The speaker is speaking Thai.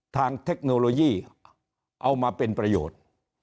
เทคโนโลยีเอามาเป็นประโยชน์